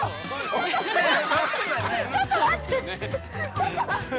ちょっと待って。